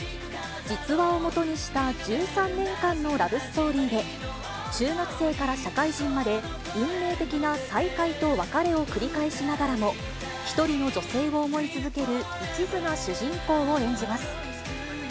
実話を基にした１３年間のラブストーリーで、中学生から社会人まで、運命的な再会と別れを繰り返しながらも、１人の女性を思い続けるいちずな主人公を演じます。